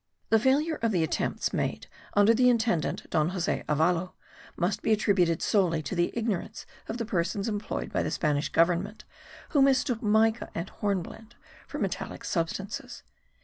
The failure of the attempts made under the intendant, Don Jose Avalo, must be attributed solely to the ignorance of the persons employed by the Spanish government who mistook mica and hornblende for metallic substances.